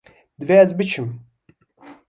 Divê ez çi bikim.